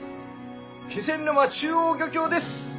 気仙沼中央漁協です。